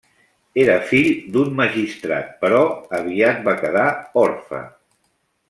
Era fill d'un magistrat però aviat va quedar orfe.